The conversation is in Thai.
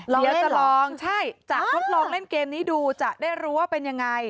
ลองเล่นเหรอใช่จะลองเล่นเกมนี้ดูจะได้รู้ว่าเป็นอย่างไร